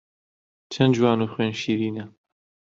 چەن جوان و خوێن شیرینە